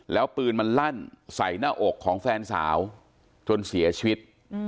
แล้วปืนมันลั่นใส่หน้าอกของแฟนสาวจนเสียชีวิต